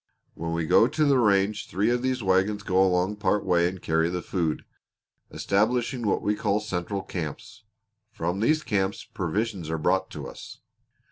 When we go to the range three of these wagons go along part way and carry the food, establishing what we call central camps. From these camps provisions are brought to us."